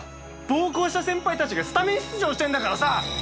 暴行した先輩たちがスタメン出場してんだからさ！